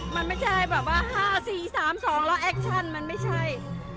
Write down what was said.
มันไม่ใช่แบบว่า๕๔๓๒แล้วแอคชั่นมันไม่ใช่